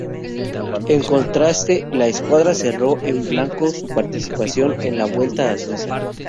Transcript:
En contraste, la escuadra cerró en blanco su participación en la Vuelta a Suiza.